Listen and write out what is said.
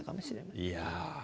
いや。